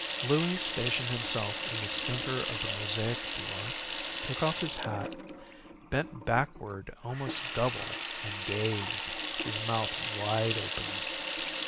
Louie stationed himself in the center of the mosaic floor, took off his hat, bent backward almost double and gazed, his mouth wide open.